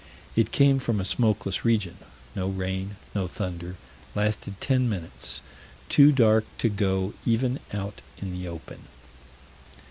It came from a smokeless region: no rain, no thunder; lasted 10 minutes; too dark to go "even out in the open."